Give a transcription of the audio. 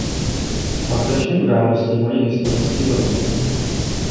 Páteční události mají historický rozměr.